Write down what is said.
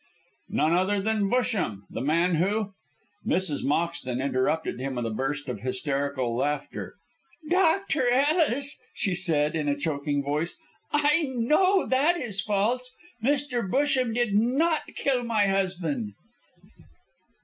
"None other than Busham, the man who " Mrs. Moxton interrupted him with a burst of hysterical laughter. "Dr. Ellis," said she, in a choking voice, "I know that is false. Mr. Busham did not kill my husband."